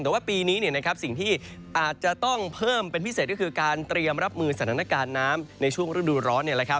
แต่ว่าปีนี้เนี่ยนะครับสิ่งที่อาจจะต้องเพิ่มเป็นพิเศษก็คือการเตรียมรับมือสถานการณ์น้ำในช่วงฤดูร้อน